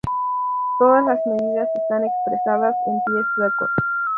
Todas las medidas están expresadas en pies suecos.